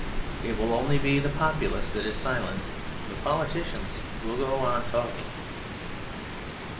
It will only be the populace that is silent. The politicians will go on talking.